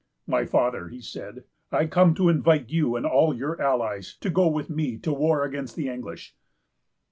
"My Father," he said, "I come to invite you and all your allies to go with me to war against the English."